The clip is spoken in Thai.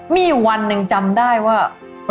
มีอยู่วันหนึ่งจำได้ว่า